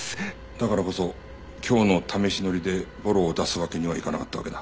だからこそ今日の試し乗りでボロを出すわけにはいかなかったわけだ。